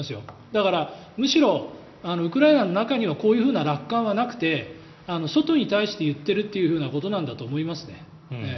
だから、むしろウクライナの中にはこういうふうな楽観はなくて外に対して言っているということなんだと思いますね。